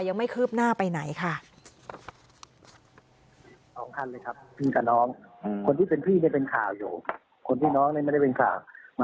ยังไม่คืบหน้าไปไหนค่ะ